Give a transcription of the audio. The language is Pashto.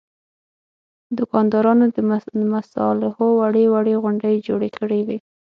دوکاندارانو د مصالحو وړې وړې غونډۍ جوړې کړې وې.